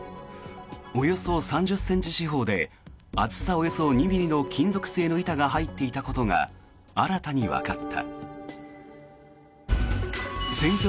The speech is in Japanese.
およそ３０ｃｍ四方で厚さおよそ２ｍｍの金属製の板が入っていたことが新たにわかった。